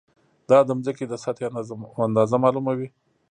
دا د ځمکې د سطحې اندازه معلوموي.